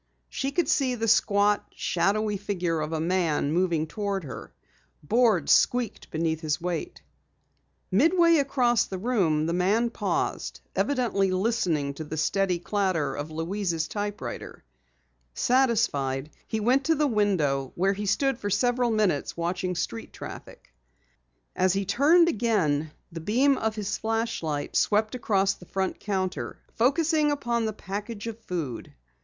She could see the squat, shadowy figure of a man moving toward her. Boards squeaked beneath his weight. Midway across the room, the man paused, evidently listening to the steady clatter of Louise's typewriter. Satisfied, he went to the window where he stood for several minutes watching street traffic. As he turned again, the beam of his flashlight swept across the front counter, focusing upon the package of food.